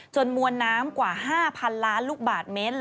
มวลน้ำกว่า๕๐๐๐ล้านลูกบาทเมตร